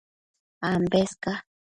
Ambes ca